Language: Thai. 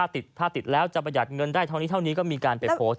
ถ้าติดแล้วจะประหยัดเงินได้เท่านี้เท่านี้ก็มีการไปโพสต์